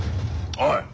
おい！